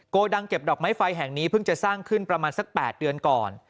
โกดังเก็บดอกไม้ไฟแห่งนี้เพิ่งจะสร้างขึ้นประมาณสัก๘เดือนก่อน